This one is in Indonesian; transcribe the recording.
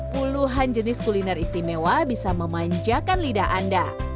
puluhan jenis kuliner istimewa bisa memanjakan lidah anda